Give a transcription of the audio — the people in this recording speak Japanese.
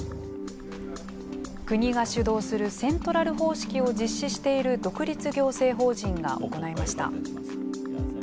国が主導するセントラル方式を実施している独立行政法人が行いました。